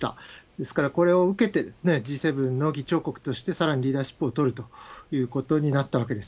ですから、これを受けて、Ｇ７の議長国として、さらにリーダーシップをとるということになったわけです。